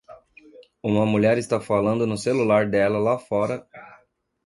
Uma mulher está falando no celular dela lá fora